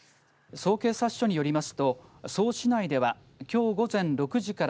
曽於警察署によりますと曽於市内ではきょう午前６時から